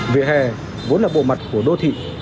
vỉa hè vốn là bộ mặt của đô thị